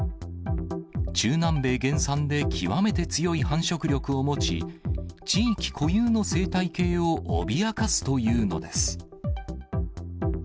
中南米原産で極めて強い繁殖力を持ち、地域固有の生態系を脅かすというのです。